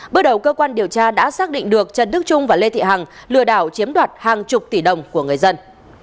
bước đầu cơ quan điều tra đã xác định được trần đức trung và lê thị hằng lừa đảo chiếm đoạt hàng chục tỷ đồng của người dân